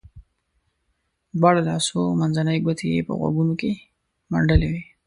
دواړو لاسو منځنۍ ګوتې یې په غوږونو کې منډلې وې.